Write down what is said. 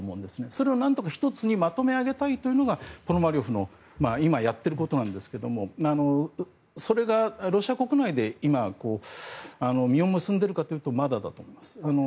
それを何とか１つにまとめ上げたいというのがポノマリョフが今やっていることなんですけどもそれがロシア国内で今、実を結んでいるかというとまだだと思います。